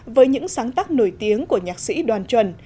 với những sáng tác nổi tiếng của nhạc sĩ đoàn chuẩn